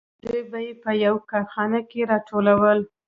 دوی به یې په یوه کارخانه کې راټولول